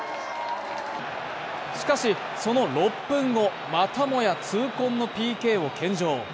しかし、その６分後、またも痛恨のＰＫを献上。